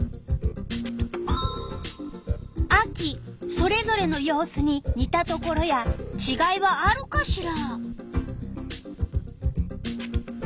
それぞれの様子ににたところやちがいはあるかしら？